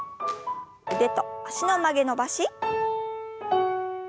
腕と脚の曲げ伸ばし。